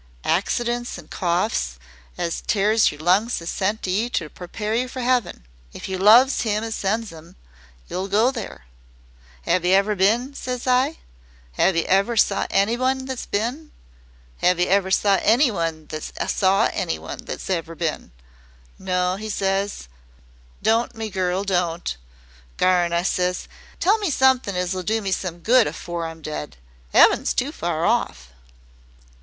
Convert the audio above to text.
Accidents an' coughs as tears yer lungs is sent you to prepare yer for 'eaven. If yer loves 'Im as sends 'em, yer 'll go there.' ''Ave yer ever bin?' ses I. ''Ave yer ever saw anyone that's bin? 'Ave yer ever saw anyone that's saw anyone that's bin?' 'No,' 'e ses. 'Don't, me girl, don't!' 'Garn,' I ses; 'tell me somethin' as 'll do me some good afore I'm dead! 'Eaven's too far off.'"